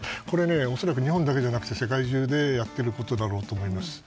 これは恐らく日本だけじゃなく世界中でやっていることだろうと思います。